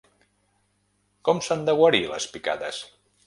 Com s’han de guarir les picades?